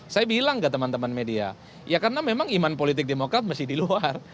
saya bilang ke teman teman media ya karena memang iman politik demokrat masih di luar